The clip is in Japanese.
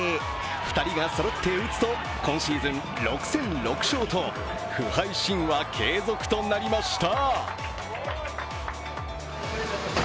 ２人がそろって打つと今シーズン６戦６勝と不敗神話継続となりました。